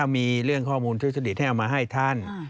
มีเรื่องข้อมูลทุจริตให้เอามาให้ท่าน